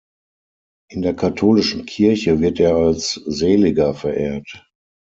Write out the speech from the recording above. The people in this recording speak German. In der katholischen Kirche wird er als Seliger verehrt.